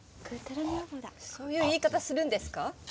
そういう言い方するんですか？